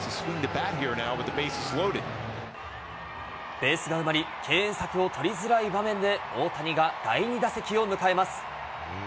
ベースが埋まり、敬遠策を取りづらい場面で、大谷が第２打席を迎えます。